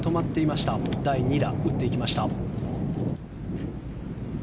第２打、打っていきました。